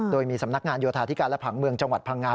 โดยมีสำนักงานโยธาธิการและผังเมืองจังหวัดพังงา